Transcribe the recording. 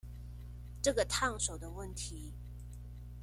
這個燙手的問題